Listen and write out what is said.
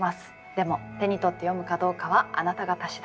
でも手に取って読むかどうかはあなた方次第。